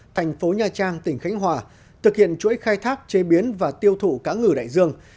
thành phố nha trang tỉnh khánh hòa thực hiện chuỗi khai thác chế biến và tiêu thụ cá ngừ đại dương